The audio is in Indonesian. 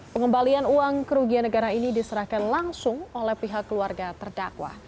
pengembalian uang kerugian negara ini diserahkan langsung oleh pihak keluarga terdakwa